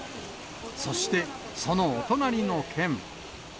そしてそのお隣の県。